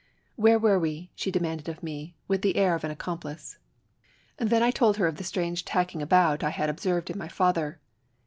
''Where were we?" she demanded of me, with the air of an accomplice. Then I told her of the strange tacking about I had observed in my father.